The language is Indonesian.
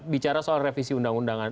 bicara soal revisi undang undangan